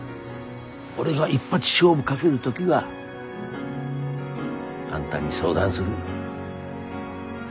俺が一発勝負かける時はあんたに相談する。